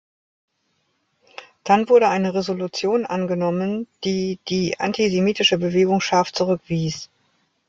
Dann wurde eine Resolution angenommen, die die antisemitische Bewegung scharf zurückwies.